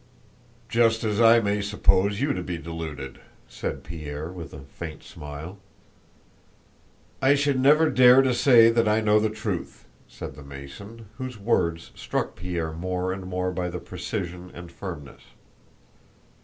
"Just as I may suppose you to be deluded," said Pierre, with a faint smile. "I should never dare to say that I know the truth," said the Mason, whose words struck Pierre more and more by their precision and firmness.